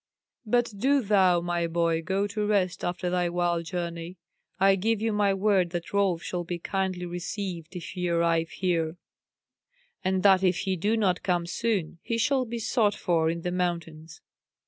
But do thou, my boy, go to rest after thy wild journey. I give you my word that Rolf shall be kindly received if he arrive here; and that if he do not come soon, he shall be sought for in the mountains."